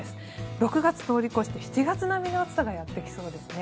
６月通り越して７月並みの暑さがやってきそうですね。